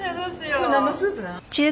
これ何のスープなん？